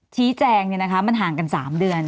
ชี้แจงเนี่ยนะคะมันห่างกันสามเดือน